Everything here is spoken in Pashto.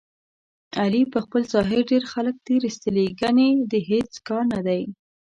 علي په خپل ظاهر ډېر خلک تېر ایستلي، ګني د هېڅ کار نه دی.